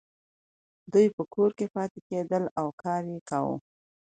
دوی په کور کې پاتې کیدلې او کار یې کاوه.